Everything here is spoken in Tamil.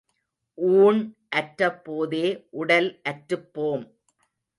ஊண் அற்ற போதே உடல் அற்றுப் போம்.